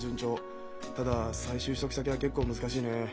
ただ再就職先は結構難しいねえ。